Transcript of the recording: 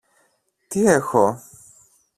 Τι έχω;